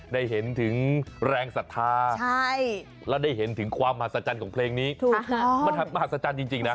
ได้เห็นถึงแรงศรัทธาและได้เห็นถึงความมหัศจรรย์ของเพลงนี้มหัศจรรย์จริงนะ